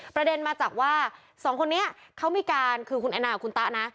ประเด็นมาจากว่าสองคนนี้เขามีการคือคุณแอนนากับคุณตะนะ